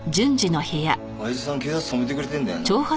親父さん警察止めてくれてるんだよな？